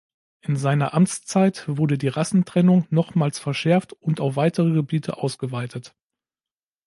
In seiner Amtszeit wurde die Rassentrennung nochmals verschärft und auf weitere Gebiete ausgeweitet.